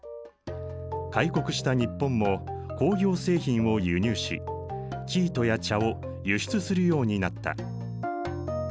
開国した日本も工業製品を輸入し生糸や茶を輸出するようになった。